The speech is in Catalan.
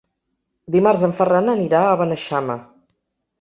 Dimarts en Ferran anirà a Beneixama.